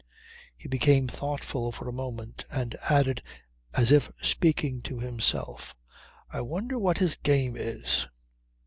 He became thoughtful for a moment and added as if speaking to himself, "I wonder what his game is."